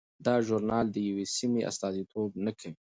دا ژورنال د یوې سیمې استازیتوب نه کوي.